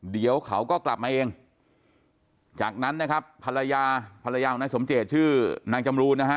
เดี๋ยวเขาก็กลับมาเองจากนั้นนะครับภรรยาภรรยาของนายสมเจตชื่อนางจำรูนนะฮะ